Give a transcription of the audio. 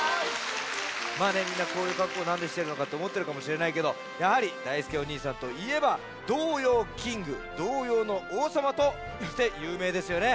みんなこういうかっこうをなんでしてるのかっておもってるかもしれないけどやはりだいすけお兄さんといえば「童謡キング」「童謡のおうさま」としてゆうめいですよね。